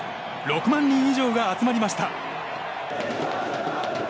６万人以上が集まりました。